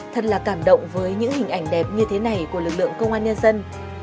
thật là cảm động với những hình ảnh đẹp như thế này của lực lượng công an nhân dân